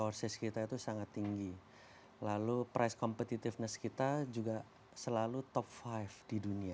dan juga sumber daya kita itu sangat tinggi lalu harga kompetitif kita juga selalu top lima di dunia